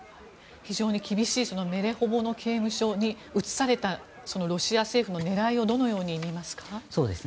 非常に厳しいメレホボの刑務所に移されたロシア政府の狙いをどのように見ますか？